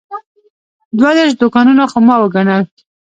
دوه دېرش دوکانونه خو ما وګڼل.